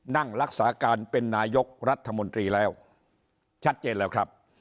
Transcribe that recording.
นั่งรักษาการเป็นนายกรัฐมนตรีแล้วชัดเจนแล้วครับ